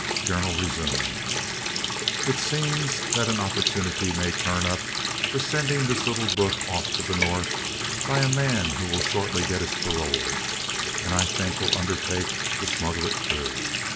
] [Journal resumed.] It seems that an opportunity may turn up for sending this little book off to the North by a man who will shortly get his parole, and I think will undertake to smuggle it through.